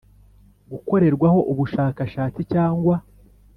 Gukorerwaho Ubushakashatsi Cyangwa